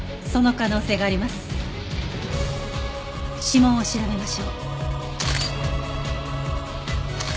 指紋を調べましょう。